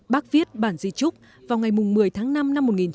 bác viết bản di trúc vào ngày một mươi tháng năm năm một nghìn chín trăm sáu mươi tám